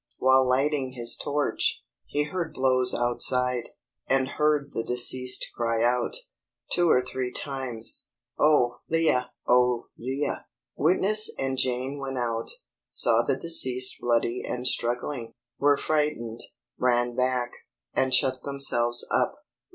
While lighting his torch, he heard blows outside, and heard the deceased cry out, two or three times, "O, Leah! O, Leah!" Witness and Jane went out, saw the deceased bloody and struggling, were frightened, ran back, and shut themselves up.